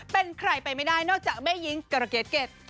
เป็นใครไปไม่ได้นอกจากเบ้ยิงกระเกดเกด